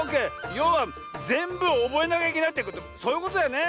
ようはぜんぶおぼえなきゃいけないってことそういうことだよね。